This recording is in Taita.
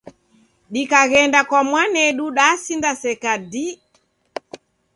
Dikaghenda kwa mwanedu dasindaseka dii.